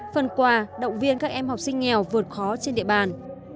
phần quà động viên các em học sinh nghèo vượt khó trên địa bàn